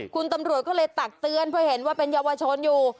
คุณตำรวจก็เลยตักเตือนเพราะเห็นว่าเป็นเยาวชนอยู่